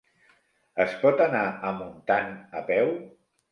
Es pot anar a Montant a peu?